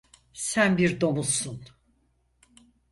Sen bir domuzsun.